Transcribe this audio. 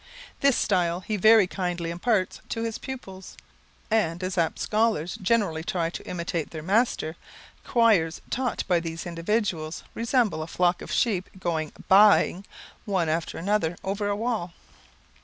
This style he very kindly imparts to his pupils; and as apt scholars generally try to imitate their master, choirs taught by these individuals resemble a flock of sheep going bahing one after another over a wall.